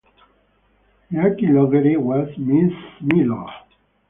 Jackie Loughery was Miss Miller.